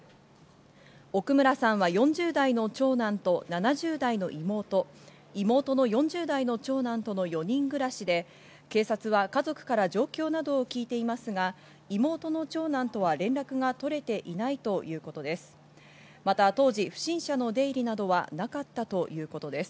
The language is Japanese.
奥村さんは４０代の長男と７０代の妹、妹の４０代の長男との４人暮らしで、警察は家族から状況などを聞いていますが、妹の長男とは連絡が取れていないということです。